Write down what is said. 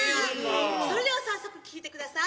それでは早速聴いてください。